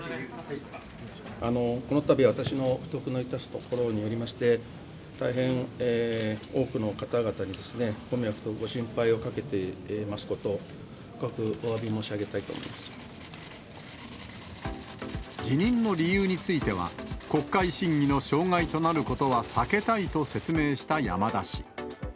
このたびは私の不徳の致すところによりまして、大変多くの方々にご迷惑とご心配をかけていますことを、深くおわ辞任の理由については、国会審議の障害となることは避けたいと説明した山田氏。